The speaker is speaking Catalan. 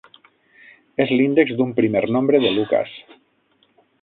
És l'índex d'un primer nombre de Lucas.